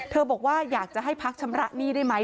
บอกว่าอยากจะให้พักชำระหนี้ได้ไหม